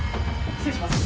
失礼します。